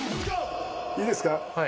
いいですか。